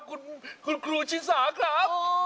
คุณครูชิสาครับ